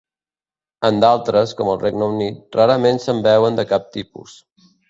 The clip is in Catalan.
En d'altres, com el Regne Unit, rarament se'n veuen de cap tipus.